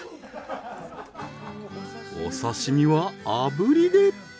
お刺身は炙りで。